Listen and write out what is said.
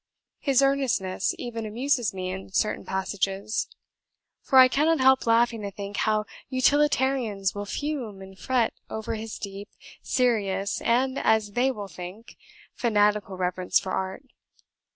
His earnestness even amuses me in certain passages; for I cannot help laughing to think how utilitarians will fume and fret over his deep, serious (and as THEY will think), fanatical reverence for Art.